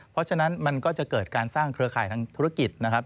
เพราะฉะนั้นมันก็จะเกิดการสร้างเครือข่ายทางธุรกิจนะครับ